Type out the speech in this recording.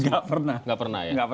gak pernah gak pernah ya